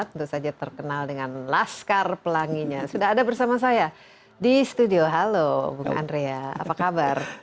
tentu saja terkenal dengan laskar pelanginya sudah ada bersama saya di studio halo bung andrea apa kabar